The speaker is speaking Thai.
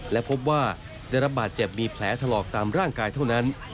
และพบว่าได้รับบาดเจ็บมีแผลถลอกตามร่างกายเท่านั้น